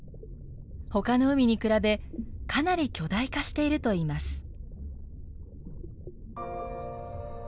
ほかの海に比べかなり巨大化しているといいます。